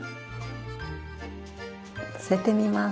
載せてみます。